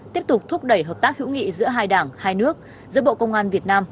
tiếp tục thúc đẩy hợp tác hữu nghị giữa hai đảng hai nước giữa bộ công an việt nam